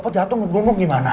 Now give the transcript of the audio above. gue jatuh ngegelung ngelung gimana